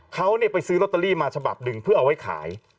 เขาไปซื้อลอตเตอรี่มาฉบับหนึ่งเพื่อเอาไว้ขาย